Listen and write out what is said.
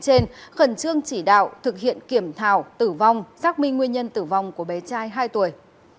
trên khẩn trương chỉ đạo thực hiện kiểm thảo tử vong xác minh nguyên nhân tử vong của bé trai hai tuổi